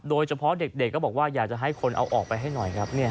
โดยเฉพาะเด็กก็บอกว่าอยากจะให้คนเอาออกไปให้หน่อยครับ